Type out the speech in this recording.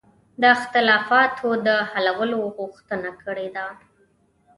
د اختلافاتو د حلولو غوښتنه کړې ده.